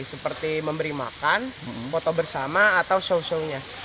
seperti memberi makan foto bersama atau show show nya